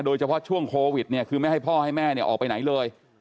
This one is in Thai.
โดยเฉพาะช่วงโควิดเนี่ยคือไม่ให้พ่อให้แม่เนี่ยออกไปไหนเลย